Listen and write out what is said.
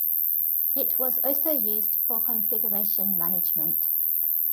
It was also used for configuration management.